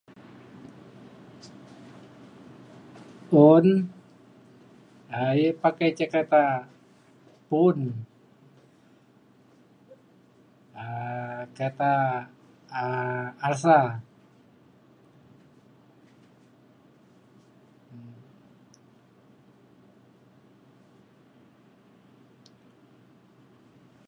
Un ae pake ca kereta pu’un um kereta um Alza